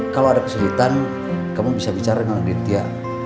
kalau ada kesulitan kamu bisa bicara dengan dithia